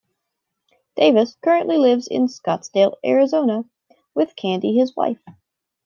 Davis currently lives in Scottsdale, Arizona with Candy, his wife.